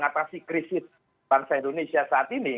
tentu kita tidak bisa hindari bahwa satu tahun setengah yang akan datang